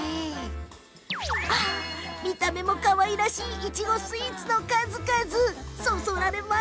見た目もかわいらしいいちごスイーツの数々。